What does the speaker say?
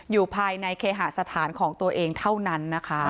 อยู่ภายในเคหาสถานของตัวเองเท่านั้นนะคะ